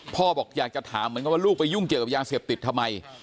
พ่อบอกอยากจะถามเหมือนกันว่าลูกไปยุ่งเกี่ยวกับยาเสพติดทำไม